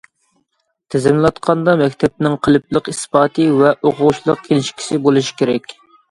تىزىملاتقاندا مەكتەپنىڭ قېلىپلىق ئىسپاتى ۋە ئوقۇغۇچىلىق كىنىشكىسى بولۇشى كېرەك.